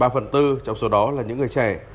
ba phần tư trong số đó là những người trẻ